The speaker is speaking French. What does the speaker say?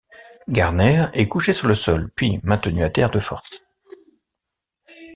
Garner est couché sur le sol puis maintenu à terre de force.